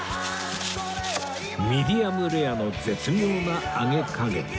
ミディアムレアの絶妙な揚げ加減